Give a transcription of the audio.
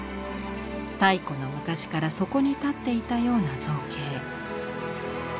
太古の昔からそこに立っていたような造形。